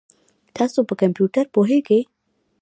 تاسو په کمپیوټر پوهیږئ؟